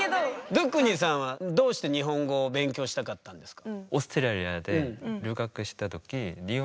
ドゥクニさんはどうして日本語を勉強したかったんですか？